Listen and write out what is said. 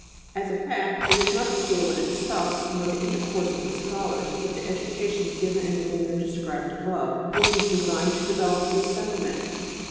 As a fact, it is not the school in itself, nor the intercourse of the scholars, but the education given in the manner described above which is designed to develop this sentiment.